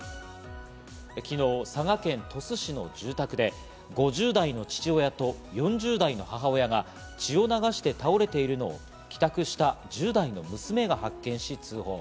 昨日、佐賀県鳥栖市の住宅で５０代の父親と、４０代の母親が血を流して倒れているのを帰宅した１０代の娘が発見し通報。